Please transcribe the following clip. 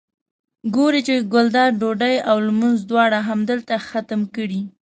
ګوري چې ګلداد ډوډۍ او لمونځ دواړه همدلته ختم کړي.